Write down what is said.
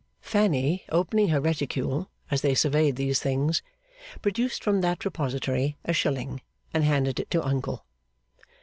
Fanny opening her reticule, as they surveyed these things, produced from that repository a shilling and handed it to Uncle.